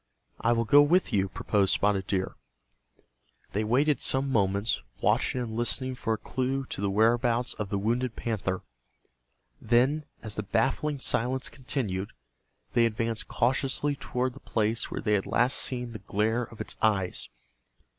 "I will go with you," proposed Spotted Deer. They waited some moments, watching and listening for a clue to the whereabouts of the wounded panther. Then, as the baffling silence continued, they advanced cautiously toward the place where they had last seen the glare of its eyes.